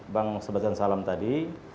bang sebatian salam tadi